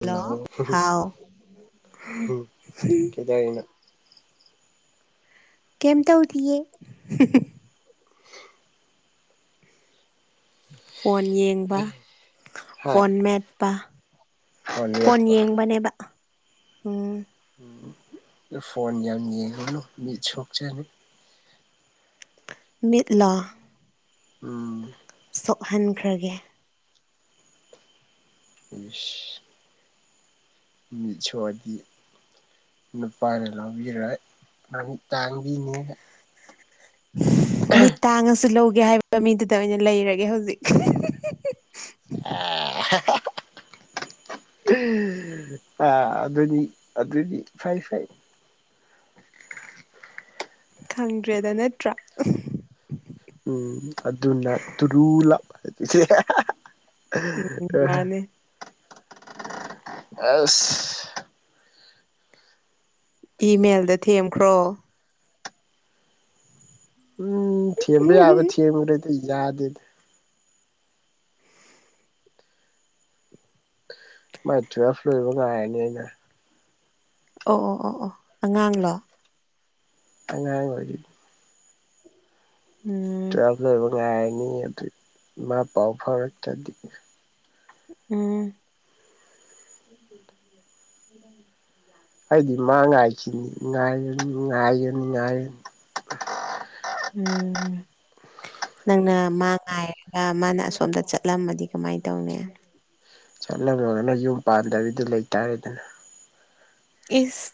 Hello ꯍꯥꯎ ꯀꯩꯗꯧꯔꯤꯅꯣ ꯀꯩꯝ ꯇꯧꯗꯤꯌꯦ ꯐꯣꯟ ꯌꯦꯡꯕ ꯍꯥ ꯐꯣꯟ ꯃꯦꯠꯄ ꯐꯣꯟ ꯌꯦꯡꯕꯅꯦꯕ ꯎꯝ꯫ ꯎꯝ ꯐꯣꯟ ꯌꯥꯝ ꯌꯦꯡꯉꯨꯅꯨ ꯃꯤꯠ ꯁꯣꯛꯆꯅꯤ꯫ ꯃꯤꯠꯂꯣ ꯎꯝ ꯁꯣꯛꯍꯟꯈ꯭ꯔꯒꯦ ꯑꯨꯢꯁ ꯃꯤꯠ ꯁꯣꯛꯑꯗꯤ ꯅꯨꯄꯥꯅ ꯂꯧꯕꯤꯔꯣꯏ ꯃꯃꯤꯠ ꯇꯥꯡꯕꯤꯅꯦꯅ ꯃꯤꯠ ꯇꯥꯡꯉꯁꯨ ꯂꯧꯒꯦ ꯍꯥꯏꯕ ꯃꯤꯗꯨꯗ ꯑꯣꯏꯅ ꯂꯩꯔꯒꯦ ꯍꯧꯖꯤꯛ ꯍꯥ-ꯍꯥ꯫ ꯑ ꯑꯗꯨꯅꯤ ꯑꯗꯨꯗꯤ ꯐꯩ ꯐꯩ ꯈꯪꯗ꯭ꯔꯦꯗ ꯅꯠꯇ꯭ꯔꯥ ꯎꯝ ꯑꯗꯨꯅ ꯇꯨꯔꯨ ꯂꯞ ꯃꯥꯅꯦ ꯑꯁ ꯏꯃꯦꯜꯗ ꯊꯦꯝꯈ꯭ꯔꯣ ꯎꯝ ꯊꯦꯝꯕ ꯌꯥꯕ ꯊꯦꯡꯒ꯭ꯔꯦꯗ ꯌꯥꯗꯦꯗ ꯃꯥꯏ ꯇꯨꯌꯦꯜꯞ ꯂꯣꯏꯕꯥꯉꯥꯏꯔꯅꯤ ꯑꯩꯅꯥ꯫ ꯑꯣ ꯑꯣ ꯑꯣ ꯑꯣ ꯑꯉꯥꯡꯂꯣ ꯑꯉꯥꯡ ꯑꯣꯢꯔꯤꯗ ꯎꯝ ꯇꯨꯌꯦꯜꯄ ꯂꯣꯏꯕꯥ ꯉꯥꯏꯔꯅꯤ ꯑꯗꯨ ꯃꯥ ꯄꯎ ꯐꯥꯎꯔꯛꯇꯗꯤ ꯎꯝ ꯑꯩꯗꯤ ꯃꯥ ꯉꯥꯏꯈꯤꯅꯤ ꯉꯥꯏꯔꯅꯤ ꯉꯥꯏꯔꯅꯤ ꯉꯥꯏꯔꯅꯤ ꯎꯝ ꯅꯪꯅ ꯃꯥ ꯉꯥꯏꯔꯒ ꯃꯥꯅ ꯑꯁꯣꯝꯗ ꯆꯠꯂꯝꯃꯗꯤ ꯀꯃꯥꯏ ꯇꯧꯅꯤ ꯆꯠꯂꯝꯃꯒꯅ ꯌꯨꯝ ꯄꯥꯟꯗꯕꯤꯗ ꯂꯩꯇꯥꯔꯦꯗꯅ ꯏꯁ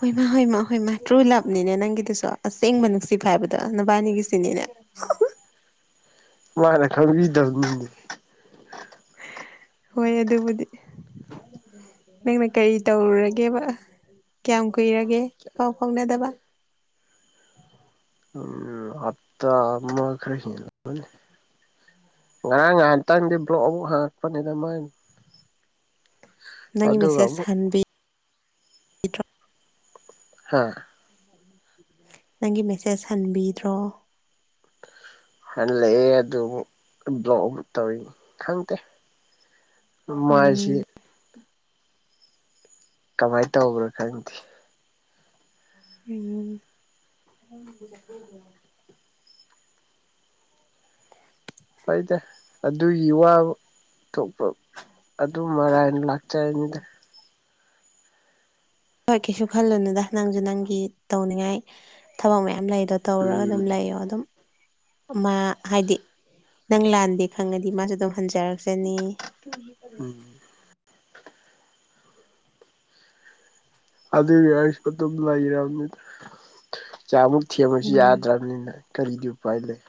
ꯍꯣꯏ ꯃꯥ ꯍꯣꯏ ꯃꯥ ꯍꯣꯏ ꯃꯥ ꯇ꯭ꯔꯨ ꯂꯞꯅꯤꯅꯦ ꯅꯪꯒꯤꯗꯨꯁꯨ ꯑꯁꯦꯡꯕ ꯅꯨꯡꯁꯤꯕ ꯍꯥꯏꯕꯗꯣ ꯅꯨꯕꯥꯅꯤꯒꯤꯁꯤꯅꯤꯅꯦ [unintelligible] ꯃꯥꯅ ꯈꯪꯕꯤꯗꯕꯅꯤꯅꯦ ꯍꯣꯏ ꯑꯗꯨꯕꯨꯗꯤ꯫ ꯅꯪꯅ ꯀꯔꯤ ꯇꯧꯔꯨꯔꯒꯦꯕ ꯀꯌꯥꯝ ꯀꯨꯏꯔꯒꯦ ꯄꯥꯎ ꯐꯥꯎꯅꯗꯕ ꯎꯝ ꯑꯞꯇꯥ ꯑꯃ ꯈꯔ ꯍꯦꯜꯂꯦ ꯉꯔꯥꯡ ꯉꯥꯏꯍꯥꯛꯇꯪꯗꯤ ꯕ꯭ꯂꯣꯛ ꯑꯃꯨꯛ ꯍꯪꯉꯛꯄꯅꯤꯗ ꯃꯥꯏ ꯅꯪꯒꯤ ꯑꯗꯨꯒ ꯃꯦꯁꯦꯁ ꯑꯃꯨꯛ ꯍꯟꯕꯤ ꯍꯝ [inaudible] ꯅꯪꯒꯤ ꯃꯦꯁꯦꯁ ꯍꯟꯕꯤꯗ꯭ꯔꯣ ꯍꯜꯂꯛꯑꯦ ꯑꯗꯨꯕꯨ ꯕ꯭ꯂꯣꯛ ꯑꯃꯨꯛ ꯇꯧꯋ ꯈꯪꯗꯦ ꯃꯥꯏꯁꯤ ꯎꯝ ꯀꯃꯥꯏꯅ ꯇꯧꯕ꯭ꯔꯣ ꯈꯪꯗꯦ ꯎꯝ ꯐꯩꯗ ꯑꯗꯨꯒꯤ ꯋꯥꯕ ꯊꯣꯛꯄ ꯑꯗꯨ ꯃꯔꯥꯏꯅ ꯂꯥꯛꯆꯔꯤꯅꯤꯗ꯫ ꯍꯣꯏ ꯀꯩꯁꯨ ꯈꯜꯂꯨꯅꯨꯗ ꯅꯪꯖꯨ ꯅꯪꯒꯤ ꯇꯧꯅꯤꯡꯉꯥꯏ ꯊꯕꯛ ꯃꯌꯥꯝ ꯂꯩꯗꯣ ꯇꯧꯔꯒ ꯑꯗꯨꯝ ꯎꯝ ꯂꯩꯌꯣ ꯑꯗꯨꯝ ꯃꯥ ꯍꯥꯏꯗꯤ ꯅꯪ ꯂꯥꯟꯗꯦ ꯈꯪꯉꯗꯤ ꯃꯥꯁꯨ ꯑꯗꯨꯝ ꯍꯟꯖꯔꯛꯆꯅꯤ ꯎꯝ ꯑꯗꯨꯗꯤ ꯑꯩꯁꯨ ꯑꯗꯨꯝ ꯂꯩꯕꯅꯤ ꯆꯥꯃꯨꯛ ꯊꯦꯝꯕꯁꯨ ꯎꯝ ꯌꯥꯗ꯭ꯔꯕꯅꯤꯅ ꯀꯔꯤꯒꯤ ꯎꯄꯥꯏ ꯂꯩ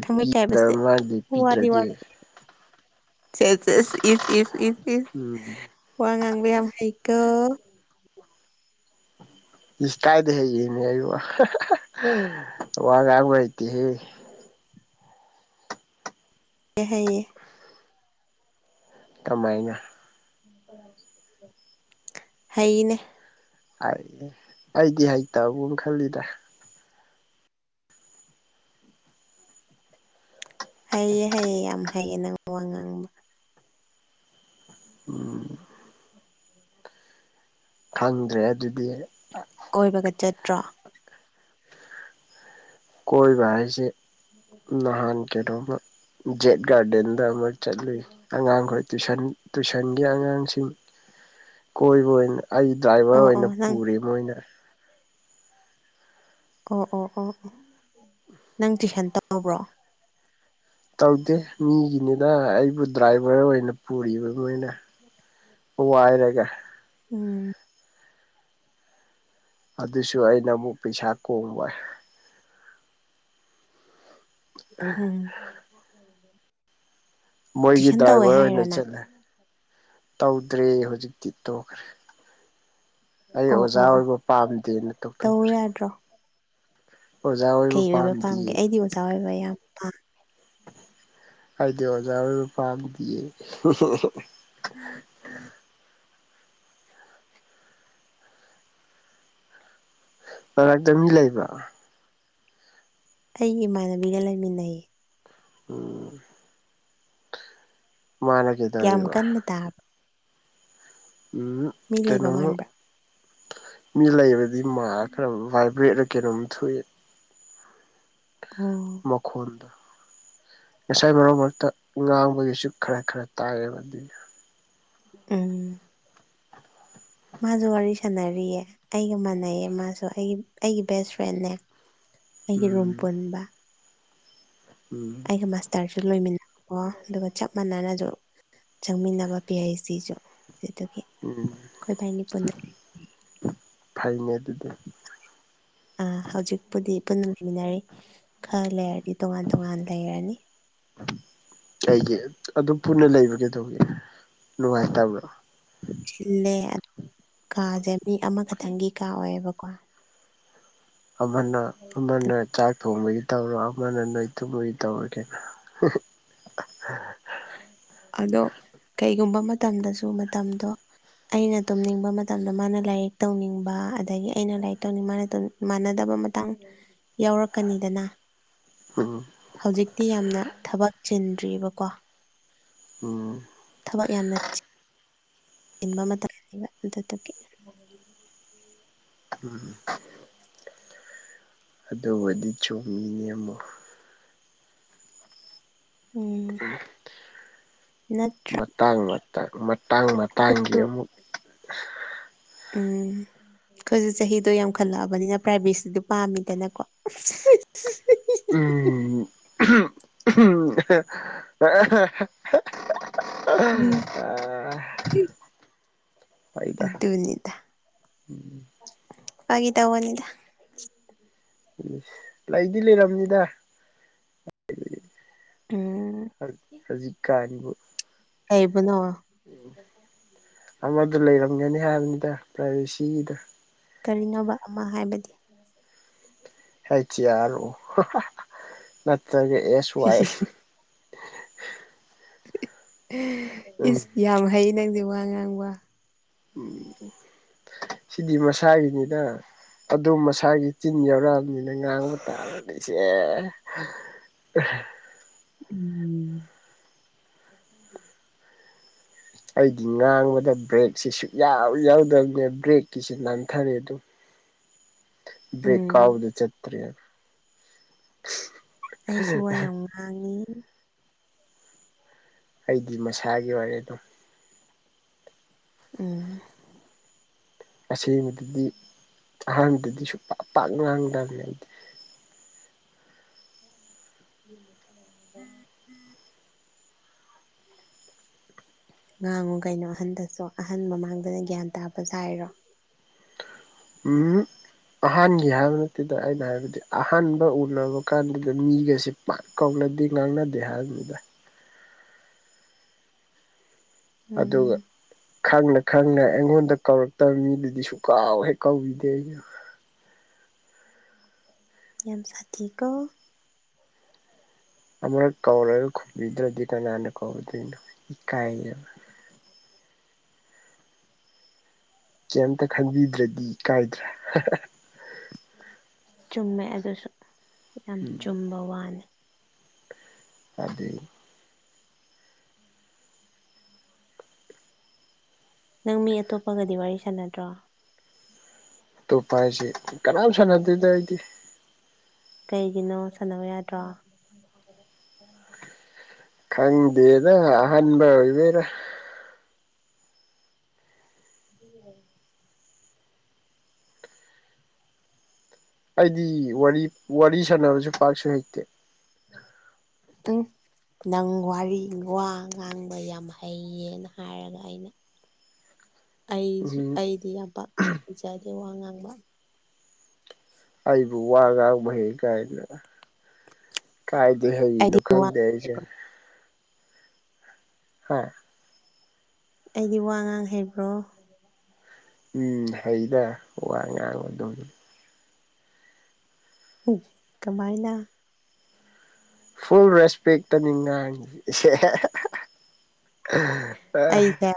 ꯊꯥꯡꯃꯩ ꯀꯥꯏꯕꯁꯦ ꯃꯥ ꯋꯥꯅꯤ ꯋꯥ ꯂꯦꯞꯄꯤꯗ꯭ꯔꯗꯤ ꯆꯦꯁ ꯆꯦꯁ ꯏꯁ ꯏꯁ ꯏꯁ ꯏꯁ ꯎꯝ ꯋꯥ ꯉꯥꯡꯕ ꯌꯥꯝ ꯍꯩꯀꯣ ꯏꯁ ꯀꯥꯏꯗ ꯍꯦꯛ ꯌꯦꯡꯅꯦ ꯑꯩꯕꯨ ꯋꯥ ꯉꯥꯡꯕ ꯍꯩꯇꯦꯍꯦ ꯀ ꯍꯥꯏꯌꯦ ꯀꯃꯥꯏꯅ ꯎꯝ ꯍꯩꯅꯦ ꯑꯩ ꯑꯩꯗꯤ ꯍꯩꯇꯕꯒꯨꯝ ꯈꯜꯂꯤꯗ ꯍꯩꯌꯦ ꯍꯩꯌꯦ ꯌꯥꯝ ꯍꯩꯑ ꯅꯪ ꯋꯥ ꯉꯥꯡꯕ ꯎꯝ ꯈꯪꯗ꯭ꯔꯦ ꯑꯗꯨꯗꯤ ꯀꯣꯏꯕꯒ ꯆꯠꯇ꯭ꯔꯣ ꯀꯣꯏꯕ ꯍꯥꯏꯁꯦ ꯅꯍꯥꯟ ꯀꯩꯗꯧꯕ ꯖꯦꯠ ꯒꯥꯔꯗꯦꯟꯗ ꯑꯃ ꯆꯠꯂꯨꯏ ꯑꯉꯥꯡꯈꯣꯏ ꯇꯨꯏꯁꯟ ꯇꯨꯏꯁꯟꯒꯤ ꯑꯉꯥꯡꯁꯤꯡ ꯀꯣꯏꯕ ꯑꯣꯏꯅ ꯑꯩ ꯗ꯭ꯔꯥꯏꯚꯔ ꯑꯣ ꯑꯣꯏꯅ ꯑꯣ ꯅꯪ ꯄꯨꯔꯦ ꯃꯣꯏꯅ ꯑꯣ ꯑꯣ ꯑꯣ ꯑꯣ ꯅꯪ ꯇꯨꯏꯁꯟ ꯇꯧꯔꯕ꯭ꯔꯣ ꯇꯧꯗꯦ ꯃꯤꯒꯤꯅꯤꯅ ꯑꯩꯕꯨ ꯗ꯭ꯔꯥꯏꯚꯔ ꯑꯣꯏꯅ ꯄꯨꯔꯤꯕꯃꯣꯏꯅ ꯋꯥꯏꯔꯒ ꯎꯝ ꯑꯗꯨꯁꯨ ꯑꯩꯅ ꯑꯃꯨꯛ ꯄꯩꯁꯥ ꯀꯣꯡꯕ ꯎꯝ ꯃꯣꯏꯒꯤ ꯇꯨꯏꯁꯟ ꯇꯧꯋꯦ ꯗ꯭ꯔꯥꯏꯚꯔ ꯑꯣꯏꯅ ꯍꯥꯏꯔꯣ ꯅꯪ ꯆꯠꯂꯦ ꯇꯧꯗ꯭ꯔꯦ ꯍꯧꯖꯤꯛꯇꯤ ꯇꯣꯛꯈ꯭ꯔꯦ ꯑꯩ ꯑꯣ ꯑꯣꯖꯥ ꯑꯣ ꯑꯣ ꯑꯣꯏꯕ ꯄꯥꯝꯗꯦꯅ ꯇꯧ ꯇꯧꯊꯣꯛꯈ꯭ꯔꯦ ꯌꯥꯗ꯭ꯔꯣ ꯀꯩ ꯑꯣꯏꯕ ꯄꯥꯝꯒꯦ ꯑꯩꯗꯤ ꯑꯣꯖꯥ ꯑꯣꯏꯕ ꯌꯥꯝ ꯄꯥꯝꯃꯦ ꯑꯩꯗꯦ ꯍꯖꯔꯄꯥꯗꯤꯌꯦ ꯎꯝꯝ ꯃꯔꯔꯛꯇ ꯃꯤ ꯂꯩꯕ ꯑꯩꯒꯤ ꯏꯃꯥꯟꯅꯕꯤꯒ ꯂꯩꯃꯤꯟꯅꯩꯌꯦ ꯎꯝ ꯃꯥꯅ ꯆ ꯀ ꯌꯥꯝ ꯀꯟꯅ ꯇꯥꯕ ꯎꯝ ꯃꯤ ꯂꯩꯕ ꯀꯩꯅꯣꯝꯃ ꯃꯥꯟꯕ꯭ꯔꯥ ꯃꯤ ꯂꯩꯕꯗꯤ ꯃꯥ ꯈꯔ ꯚꯥꯏꯕ꯭ꯔꯦꯠꯅ ꯀꯩꯅꯣꯝ ꯊꯣꯛꯑꯦ ꯑꯣ ꯃꯈꯈꯣꯟꯗ ꯉꯁꯥꯏ ꯃꯔꯛ ꯃꯔꯛꯇ ꯉꯥꯡꯕꯒꯤꯁꯨ ꯈꯔ ꯈꯔ ꯇꯥꯡꯉꯦ ꯑꯗꯨ ꯎꯝ ꯃꯥꯁꯨ ꯋꯥꯔꯤ ꯁꯥꯟꯅꯔꯤꯑ ꯑꯩꯒ ꯃꯥꯟꯅꯩꯌꯦ ꯃꯥꯁꯨ ꯑꯩꯒꯤ ꯑꯩꯒꯤ ꯕꯦꯁ ꯐ꯭ꯔꯦꯦ ꯑꯩꯒꯤ ꯔꯨꯝ ꯎꯝ ꯄꯨꯟꯕ ꯎꯝ ꯑꯩꯒ ꯃꯥꯁꯇꯔꯁꯨ ꯂꯣꯏꯃꯤꯟꯅꯀꯣ ꯑꯗꯨꯒ ꯆꯞ ꯃꯥꯟꯅꯅꯁꯨ ꯆꯪꯃꯤꯟꯅꯕ ꯄꯤ ꯑꯩꯩꯆ ꯁꯨ ꯑꯗꯨꯗꯒꯤ ꯎꯝ ꯐꯩꯅꯦ ꯑꯗꯨꯗꯤ ꯑꯥ ꯍꯧꯖꯤꯛꯄꯨꯗꯤ ꯄꯨꯟꯅ ꯂꯩꯃꯤꯟꯅꯔꯤ ꯈꯔ ꯂꯩꯔꯗꯤ ꯇꯣꯉꯥꯟ ꯇꯣꯉꯥꯟ ꯂꯩꯔꯅꯤ ꯑꯩꯒꯤ ꯑꯗꯨꯝ ꯄꯨꯟꯅ ꯂꯩꯕꯒꯦꯗꯧꯕꯒꯤꯦ ꯅꯨꯡꯉꯥꯏꯇꯕ꯭ꯔꯣ ꯁꯤꯜꯂꯦ ꯑꯗꯨ ꯀꯥꯁꯦ ꯃꯤ ꯑꯃꯈꯛꯇꯪꯒꯤ ꯀꯥ ꯑꯣꯏꯌꯦꯕꯀꯣ ꯑꯃꯅ ꯑꯃꯅ ꯆꯥꯛ ꯊꯣꯡꯕꯒꯤ ꯇꯧꯔꯣ ꯑꯃꯅ ꯅꯣꯏ ꯇꯨꯝꯕꯒꯤ ꯇꯧꯔꯒꯦ ꯑꯗꯣ ꯀꯩꯒꯨꯝꯕ ꯃꯇꯝꯗꯁꯨ ꯃꯇꯝꯗꯣ ꯑꯩꯅ ꯇꯨꯝꯅꯤꯡꯕ ꯃꯇꯝꯗ ꯃꯥꯅ ꯂꯥꯏꯔꯤꯛ ꯇꯧꯅꯤꯡꯕ ꯑꯗꯒꯤ ꯑꯩꯅ ꯂꯥꯏꯔꯤꯛ ꯇꯧꯅꯤꯡꯕ ꯃꯥꯅ ꯃꯥꯟꯅꯗꯕ ꯃꯇꯥꯡ ꯌꯥꯎꯔꯛꯀꯅꯤꯗꯅ ꯑꯣ ꯍꯧꯖꯤꯛꯇꯤ ꯌꯥꯝꯅ ꯊꯕꯛ ꯆꯤꯟꯗ꯭ꯔꯤꯑꯔꯤꯕꯀꯣ ꯎ ꯊꯕꯛ ꯌꯥꯝꯅ ꯆꯤꯟꯕ ꯃꯇꯝꯅꯦꯕ ꯑꯗꯨꯗꯒꯤ ꯎꯝ ꯑꯗꯨꯕꯨꯗꯤ ꯆꯨꯝꯃꯤꯅꯦ ꯑꯃ ꯑꯃꯨ ꯎꯝ ꯅꯠꯇ꯭ꯔ ꯃꯇꯥꯡ ꯃꯇꯥꯡ ꯃꯇꯥꯡꯒꯤ ꯑꯃꯨꯛ ꯎꯝ ꯑꯩꯈꯣꯏꯁꯨ ꯆꯍꯤꯗꯣ ꯌꯥꯝꯈꯠꯂꯛꯑꯕꯅꯤꯅ ꯄ꯭ꯔꯥꯏꯚꯦꯠꯁꯤꯗꯤ ꯄꯥꯝꯃꯤꯗꯅꯀꯣ [inaudible] ꯎꯝ ꯎꯝ ꯑꯗꯨ ꯑꯗꯨꯅꯤ ꯎꯝ ꯄꯒꯤ ꯇꯒꯅꯤꯗ ꯎꯝ ꯂꯩꯗꯤ ꯂꯩꯔꯝꯅꯤꯗ ꯑꯣ ꯍꯧꯖꯤꯛ ꯀꯥꯟꯅꯤꯕꯨ ꯍꯥꯏꯩꯕꯨ ꯅꯣ ꯎꯝ ꯑꯃꯗꯨ ꯂꯩꯔꯝꯒꯅꯤ ꯍꯥꯏꯕꯅꯤꯗ ꯄ꯭ꯔꯥꯏꯚꯦꯁꯤꯒꯤꯗꯨ ꯀꯔꯤꯅꯣꯕ ꯑꯃ ꯍꯥꯏꯕꯗꯤ [inaudible] ꯍꯩꯆ ꯏ ꯑꯥꯔ ꯑꯣ ꯅꯠꯇ꯭ꯔꯒ ꯑꯦꯁ ꯋꯥꯏ ꯎꯝ ꯏꯁ ꯌꯥꯝ ꯍꯩ ꯅꯪꯗꯤ ꯋꯥ ꯉꯥꯡꯕ ꯎꯝ ꯁꯤꯗꯤ ꯃꯁꯥꯒꯤꯅꯤꯅ ꯑꯗꯨꯝ ꯃꯁꯥꯒꯤ ꯆꯤꯟ ꯌꯥꯎꯔꯛꯑꯕꯅꯤꯅ ꯉꯥꯡꯕ ꯇꯥꯕꯅꯦ ꯆꯦ ꯎꯝ ꯑꯩꯗꯤ ꯉꯥꯡꯕꯗ ꯕ꯭ꯔꯦꯛꯁꯤ ꯁꯨꯛꯌꯥꯎ ꯌꯥꯎꯗꯕꯅꯦ ꯕ꯭ꯔꯦꯛꯀꯤꯁꯤ ꯅꯥꯟꯊꯔꯦ ꯑꯗꯨ ꯥꯕ꯭ꯔꯦꯛ ꯎꯝ ꯀꯥꯎꯕꯗ ꯆꯠꯇ꯭ꯔꯦꯟ ꯑꯩꯁꯨ ꯋꯥ ꯌꯥꯝ ꯉꯥꯡꯉꯤ ꯑꯩꯗꯤ ꯃꯁꯥꯒꯤ ꯑꯣꯏꯔꯦ ꯑꯗꯨꯝ ꯎꯝ ꯑꯁꯦꯡꯕꯗꯗꯤ ꯑꯍꯥꯟꯕꯗꯗꯤ ꯁꯨꯡ ꯄꯥꯛ ꯄꯥꯛ ꯉꯥꯡꯗꯕꯅꯦ ꯑꯩꯗꯤ [unintelligible] [inaudible] ꯉꯥꯡꯉꯨ ꯀꯩꯅꯣ ꯑꯍꯟꯗꯁꯨ ꯑꯍꯟ ꯃꯃꯥꯡꯗꯅ ꯒ꯭ꯌꯥꯟ ꯇꯥꯕ ꯁꯥꯏꯔꯣ ꯎꯝ ꯑꯍꯥꯟꯕꯒꯤ ꯍꯥꯏꯕ ꯅꯠꯇꯦꯗ ꯑꯩꯅ ꯍꯥꯏꯕꯗꯤ ꯑꯍꯥꯟꯕ ꯎꯅꯕ ꯀꯥꯟꯗꯨꯗ ꯃꯤꯒꯁꯦ ꯄꯥꯛ ꯀꯧꯅꯗꯦ ꯉꯥꯡꯅꯗꯦ ꯍꯥꯏꯕꯅꯤꯗ ꯑꯗꯨꯒ ꯎꯝ ꯈꯪꯅ ꯈꯪꯅ ꯑꯩꯉꯣꯟꯗ ꯀꯧꯔꯛ ꯇꯕ ꯃꯤꯗꯨꯗꯤ ꯁꯨꯀꯥꯎ ꯍꯦꯛ ꯀꯥꯎꯏꯗꯦ ꯑꯩꯅ ꯌꯥꯝ ꯁꯥꯊꯤꯀꯣ ꯑꯃꯔꯛ ꯀꯧꯔꯒ ꯈꯨꯝꯕꯤꯗ꯭ꯔꯗꯤ ꯀꯅꯥꯅ ꯀꯧꯗꯣꯏꯅꯣ ꯏꯀꯥꯏꯌꯦꯕ ꯀꯩꯝꯇ ꯈꯟꯕꯤꯗ꯭ꯔꯗꯤ ꯏꯀꯥꯏꯗ꯭ꯔꯥ ꯆꯨꯝꯃꯦ ꯑꯗꯨꯁꯨ ꯌꯥꯝ ꯎꯝ ꯆꯨꯝꯕ ꯋꯥꯅꯤ ꯑꯗꯤ ꯅꯪ ꯃꯤ ꯑꯇꯣꯞꯄꯒꯗꯤ ꯋꯥꯔꯤ ꯁꯥꯟꯅꯗ꯭ꯔꯣ ꯑꯇꯣꯞꯄ ꯍꯥꯏꯁꯤ ꯀꯅꯥꯝ ꯁꯥꯟꯅꯗꯦꯗ ꯑꯩꯗꯤ ꯀꯩꯒꯤꯅꯣ ꯁꯥꯟꯅꯧ ꯌꯥꯗ꯭ꯔꯣ ꯈꯪꯗꯦꯗ ꯑꯍꯥꯟꯕ ꯑꯣꯏꯕꯩꯔꯥ ꯃꯤꯒ ꯋꯥꯔꯤ ꯑꯩꯗꯤ ꯋꯥꯔꯤ ꯋꯥꯔꯤ ꯁꯥꯟꯅꯕꯁꯨ ꯄꯥꯛꯁꯨ ꯍꯩꯇꯦ [unintelligible] ꯅꯪ ꯋꯥꯔꯤ ꯋꯥ ꯉꯥꯡꯕ ꯌꯥꯝ ꯍꯩꯌꯦꯅ ꯍꯥꯏꯔꯒ ꯑꯩꯅ [inaudible] ꯑꯩꯁꯨ ꯎꯝ ꯑꯩꯗꯤ ꯌꯥꯝ ꯄꯥꯛꯄ ꯍꯩꯖꯗꯦ ꯋꯥ ꯉꯥꯡꯕ ꯑꯩꯕꯨ ꯋꯥ ꯉꯥꯡꯕ ꯍꯩ ꯀꯥꯏꯗꯅ ꯀꯥꯏꯗꯩ ꯑꯩꯗꯤ ꯍꯩꯔꯤꯅꯣ ꯋꯥ ꯈꯪꯗꯦ ꯑꯩꯁꯦ ꯍꯥ ꯑꯩꯗꯤ ꯋꯥ ꯉꯥꯡ ꯍꯩꯕ꯭ꯔꯣ ꯎꯝ ꯍꯩꯗ ꯋꯥ ꯉꯥꯡꯕꯗꯨꯝ [unintelligible] ꯀꯃꯥꯏꯅ ꯐꯨꯜ ꯔꯦꯁꯄꯦꯛꯇꯅꯤ ꯉꯥꯡ ꯏꯁꯦ [unintelligible] ꯑꯥ ꯑꯩꯁꯦ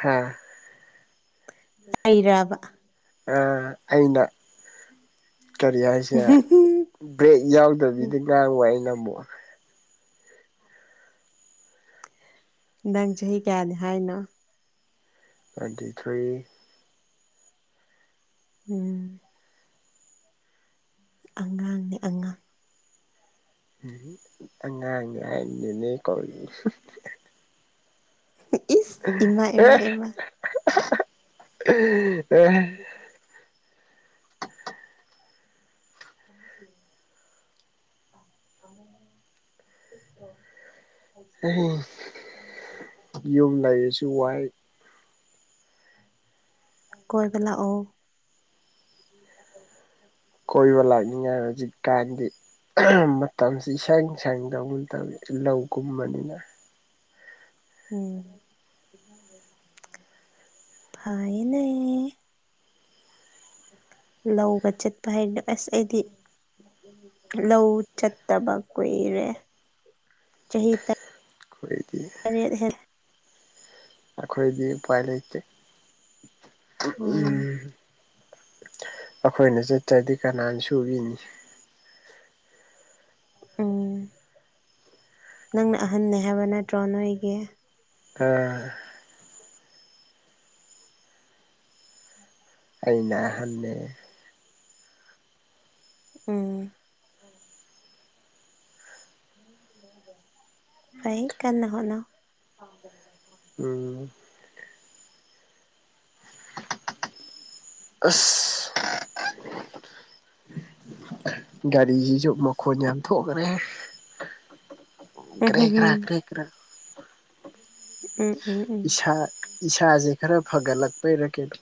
ꯍꯥ ꯑꯩꯔꯥꯕ ꯑ ꯑꯩꯅ ꯀꯔꯤ ꯍꯥꯏꯁꯤꯔꯥ ꯕ꯭ꯔꯦꯛ ꯌꯥꯎꯗꯕꯤꯗ ꯉꯥꯡꯕ ꯑꯩꯅ ꯑꯃꯨꯛ ꯅꯪ ꯆꯍꯤ ꯀꯌꯥꯅꯤ ꯍꯥꯏꯅꯣ ꯑꯗꯤꯊꯣꯏ ꯎꯝ ꯑꯉꯥꯡꯅꯦ ꯑꯉꯥꯡ ꯎꯝ ꯑꯉꯥꯡ ꯍꯥꯏꯗꯨꯅꯦ ꯀꯣꯦ ꯏꯁ ꯏꯃꯥ ꯏꯃꯥ ꯏꯃꯥ ꯑꯦ ꯑ ꯁꯤ ꯁꯤꯣ ꯌꯨꯝ ꯂꯩꯔꯁꯨ ꯋꯥꯏ ꯀꯣꯏꯕꯂꯥꯛꯑꯣ ꯑꯠꯇ ꯀꯣꯏꯕ ꯂꯥꯛꯅꯤꯡꯉꯥꯏ ꯍꯧꯖꯤꯛꯀꯥꯟꯗꯤ ꯃꯇꯝꯁꯤ ꯏꯁꯪ ꯁꯪꯗꯧꯒꯨꯝ ꯇꯧꯋꯤ ꯂꯧ ꯀꯨꯝꯕꯅꯤꯅ ꯎꯝ ꯐꯥꯏꯅꯦ ꯂꯧꯒ ꯆꯠꯄ ꯍꯥꯏꯅ ꯑꯁ ꯑꯩꯗꯤ ꯂꯧ ꯆꯠꯇꯕ ꯀꯨꯏꯔꯦ ꯆꯍꯤ ꯇ ꯈꯣꯏꯗꯤ ꯇꯔꯦꯠ ꯍꯦ ꯑꯈꯣꯏꯗꯤ ꯎꯄꯥꯏ ꯂꯩꯇꯦ ꯎꯝ ꯑꯩꯈꯣꯏꯅ ꯆꯠꯇ꯭ꯔꯗꯤ ꯀꯅꯥꯅ ꯁꯨꯕꯤꯅꯤ꯫ ꯎꯝ ꯅꯪꯅ ꯑꯍꯟꯅꯦ ꯍꯥꯏꯕ ꯅꯠꯇ꯭ꯔꯣ ꯅꯣꯏꯒꯤ ꯎ ꯑꯩꯅ ꯑꯍꯟꯅꯦ ꯎꯝ ꯐꯩꯏ ꯀꯥꯟꯅꯍꯣꯠꯅꯧ ꯎꯝ ꯑꯁ ꯒꯥꯔꯤꯁꯤꯁꯨ ꯃꯈꯣꯟ ꯌꯥꯝ ꯊꯣꯛꯈ꯭ꯔꯦ ꯎꯝ ꯀ꯭ꯔꯦꯒ꯭ꯔꯥ ꯎꯝ ꯀ꯭ꯔꯦꯒ꯭ꯔꯥ ꯎꯝ ꯎꯝ ꯎꯝ ꯎꯝ ꯏꯁ ꯏꯁꯥꯖꯦ ꯈꯔ ꯐꯒꯠꯂꯛꯄꯩꯔꯀꯩꯅꯣ꯫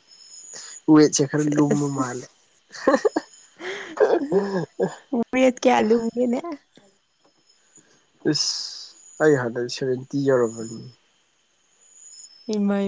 ꯎꯋꯦꯠꯁꯦ ꯈꯔ ꯂꯨꯝꯕ ꯃꯥꯟꯂꯦ ꯋꯦꯠ ꯀꯌꯥꯂꯨꯝꯒꯦꯅꯦ ꯏꯁ ꯑꯩ ꯍꯟꯗꯗꯤ ꯁꯚꯦꯟꯇꯤ ꯌꯧꯔꯕꯅꯤ ꯏꯃꯩ